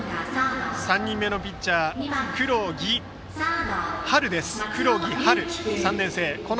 ３人目のピッチャーは黒木陽琉、３年生です。